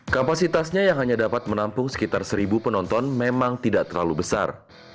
kapasitasnya yang hanya dapat menampung sekitar seribu penonton memang tidak terlalu besar